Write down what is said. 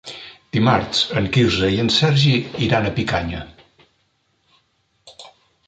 Dimarts en Quirze i en Sergi iran a Picanya.